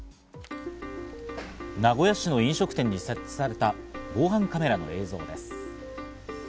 名古屋市の飲食店に設置された防犯カメラの映像です。